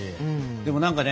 でも何かね